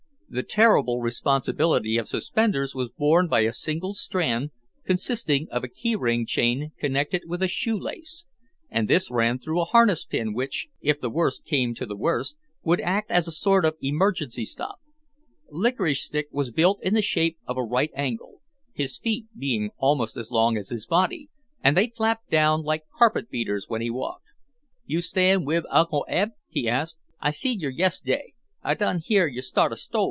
The terrible responsibility of suspenders was borne by a single strand consisting of a key ring chain connected with a shoe lace and this ran through a harness pin which, if the worst came to the worst, would act as a sort of emergency stop. Licorice Stick was built in the shape of a right angle, his feet being almost as long as his body and they flapped down like carpet beaters when he walked. "You stayin' wib Uncle Eb?" he asked. "I seed yer yes'day. I done hear yer start a sto."